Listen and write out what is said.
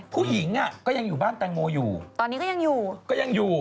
ผู้หญิงก็ยังอยู่บ้านแตงโมอยู่ตอนนี้ก็ยังอยู่